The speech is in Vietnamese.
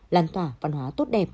làn tỏa văn hóa tốt đẹp